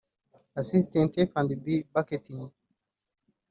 Assistant F & B / Banqueting